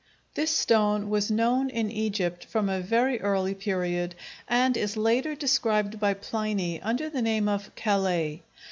This stone was known in Egypt from a very early period and is later described by Pliny under the name of callais.